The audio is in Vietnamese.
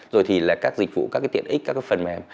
rồi thì là các dịch vụ các tiện ích các phần mềm